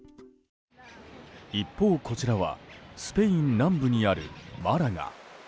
一方、こちらはスペイン南部にあるマラガ。